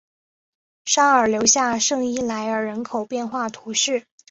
沙尔留下圣伊莱尔人口变化图示